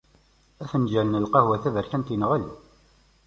Afenǧal n lqahwa taberkant yenɣel.